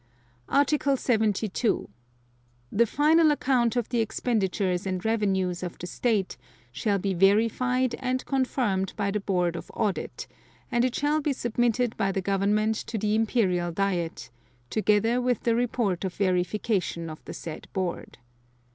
Article 72. The final account of the expenditures and revenues of the State shall be verified and confirmed by the Board of Audit, and it shall be submitted by the Government to the Imperial Diet, together with the report of verification of the said board.